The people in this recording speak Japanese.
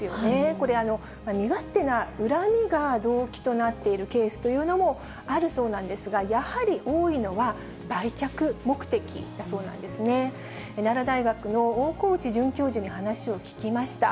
これ、身勝手な恨みが動機となっているケースというのもあるそうなんですが、やはり多いのは、売却目的だそうなんですね。奈良大学の大河内准教授に話を聞きました。